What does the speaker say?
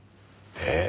え？